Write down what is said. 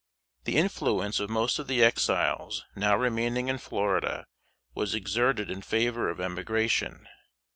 The influence of most of the Exiles now remaining in Florida was exerted in favor of emigration.